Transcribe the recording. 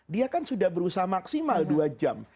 dia kan sudah berusaha maksimal dua jam